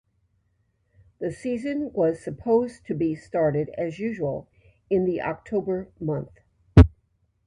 The season was supposed to be started as usual in the October month.